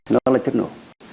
nó là chất nổ